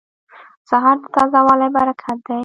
سهار د تازه والي برکت دی.